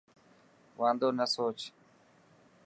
واندو نه سوچ.